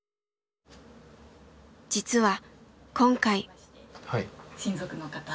実は今回。